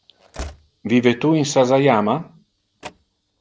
Vive tu in Sasayama?